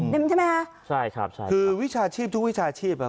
ใช่ไหมคะใช่ครับใช่คือวิชาชีพทุกวิชาชีพอ่ะ